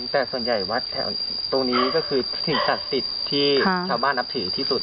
แต่ส่วนใหญ่วัดแถวตรงนี้ก็คือสิ่งศักดิ์สิทธิ์ที่ชาวบ้านนับถือที่สุด